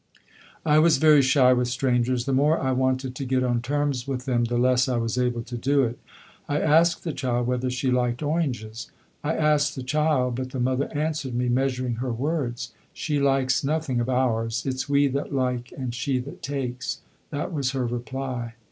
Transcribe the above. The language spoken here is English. I was very shy with strangers. The more I wanted to get on terms with them the less I was able to do it. I asked the child whether she liked oranges. I asked the child, but the mother answered me, measuring her words. "She likes nothing of ours. It's we that like and she that takes." That was her reply.